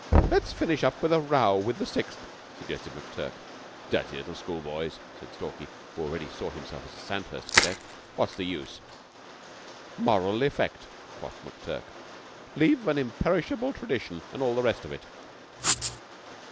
"Let's finish up with a row with the Sixth," suggested McTurk. "Dirty little schoolboys!" said Stalky, who already saw himself a Sandhurst cadet. "What's the use?" "Moral effect," quoth McTurk. "Leave an imperishable tradition, and all the rest of it."